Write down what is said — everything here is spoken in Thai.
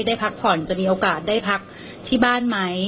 ได้พักผ่อนจะมีโอกาสได้พักที่บ้านไหม